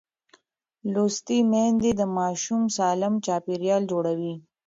لوستې میندې د ماشوم سالم چاپېریال جوړوي.